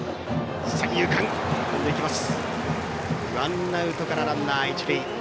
ワンアウトからランナー、一塁。